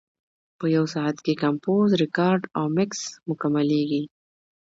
په یو ساعت کې کمپوز، ریکارډ او مکس مکملېږي.